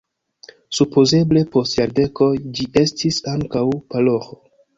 Supozeble post jardekoj ĝi estis ankaŭ paroĥo.